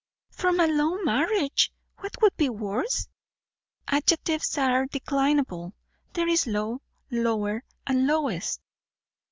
"From a low marriage. What could be worse?" "Adjectives are declinable. There is low, lower, lowest."